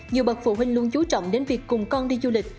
nhiều bậc phụ huynh luôn chú trọng đến việc cùng con đi du lịch